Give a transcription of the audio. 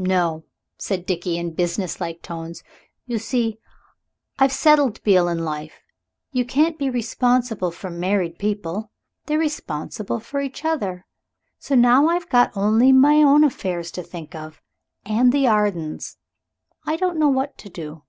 "No," said Dickie, in businesslike tones; "you see, I've settled Beale in life. You can't be responsible for married people. They're responsible for each other. So now I've got only my own affairs to think of. And the Ardens. I don't know what to do."